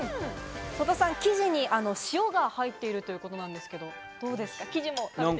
生地に塩が入っているということなんですが、曽田さん、どうですか？